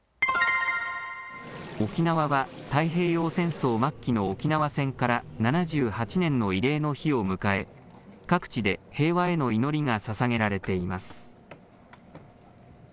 沖縄は太平洋戦争末期の沖縄戦から７８年の慰霊の日を迎え各地で平和への祈りがささげられています。